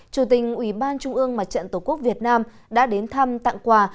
chủ tình ủy ban trung ương mặt trận tổ quốc việt nam đã đến thăm tặng quà